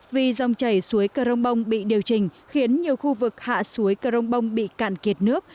vì dòng chảy suối cờ rồng bông bị điều trình khiến nhiều khu vực hạ suối cờ rồng bông bị cạn kiệt nước